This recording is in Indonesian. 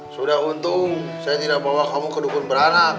sudah untung saya tidak bawa kamu ke dukun beranak